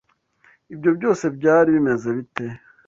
Ibyo byose byari bimeze bite?